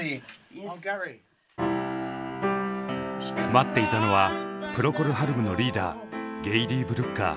待っていたのはプロコル・ハルムのリーダーゲイリー・ブルッカー。